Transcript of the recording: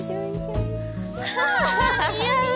似合う